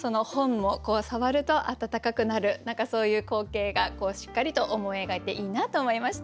何かそういう光景がしっかりと思い描いていいなと思いました。